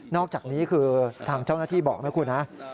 อกจากนี้คือทางเจ้าหน้าที่บอกนะคุณนะ